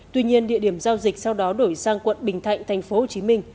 tuy nhiên địa điểm giao dịch sau đó đổi sang quận bình thạnh tp hcm